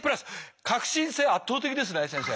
革新性圧倒的ですね先生。